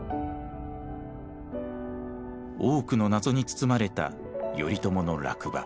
多くの謎に包まれた頼朝の落馬。